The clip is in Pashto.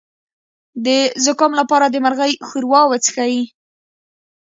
د زکام لپاره د مرغۍ ښوروا وڅښئ